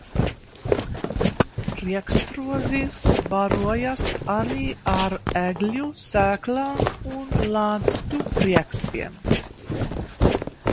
Riekstrozis barojas arī ar egļu sēklām un lazdu riekstiem.